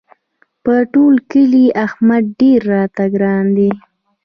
په ټول کلي احمد ډېر راته ګران دی.